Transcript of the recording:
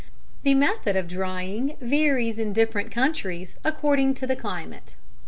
The method of drying varies in different countries according to the climate.